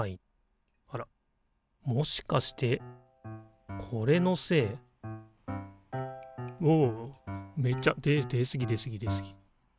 あらっもしかしてこれのせい？わわわわめっちゃで出すぎ出すぎ出すぎ。